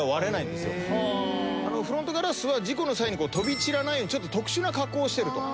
フロントガラスは事故の際に飛び散らないようちょっと特殊な加工をしてると。